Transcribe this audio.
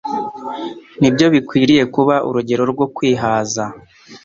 ni byo bikwiriye kuba urugero rwo kwihaza.